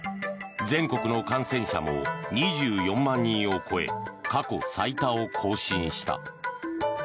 全国の感染者も２４万人を超え過去最多を更新した。